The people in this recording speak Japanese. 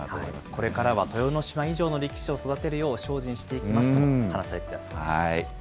これからは豊ノ島以上の力士を育てるよう精進していきますと話されたそうです。